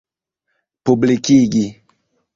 publikigi